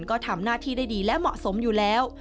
ก็ทำหน้าที่ได้ดีและเหมาะสมอยู่แล้ว